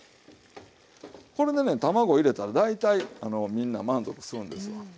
これでね卵入れたら大体みんな満足するんですわ。